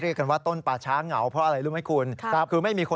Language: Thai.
ยาท่อนมาก